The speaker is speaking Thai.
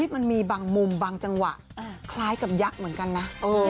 มันมีบางมุมบางจังหวะคล้ายกับยักษ์เหมือนกันนะ